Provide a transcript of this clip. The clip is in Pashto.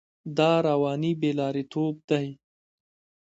دا رواني بې لارېتوب دی.